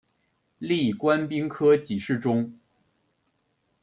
历官兵科给事中。